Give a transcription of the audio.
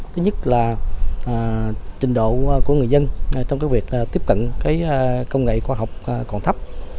thứ nhất là trình độ của người dân trong việc tiếp cận công nghệ khoa học còn thấp